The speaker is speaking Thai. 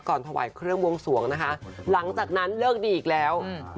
ถวายเครื่องบวงสวงนะคะหลังจากนั้นเลิกดีอีกแล้วอืม